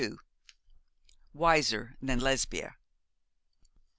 WISER THAN LESBIA.